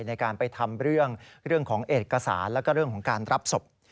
ในการไปทำเรื่องของเอกสารแล้วก็เรื่องของการรับศพ